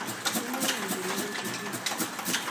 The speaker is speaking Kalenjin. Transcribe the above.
inae ak inamei chorik